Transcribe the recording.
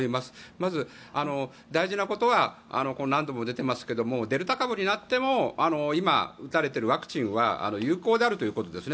まず、大事なことは何度も出ていますけれどデルタ株になっても今、打たれているワクチンは有効であるということですね。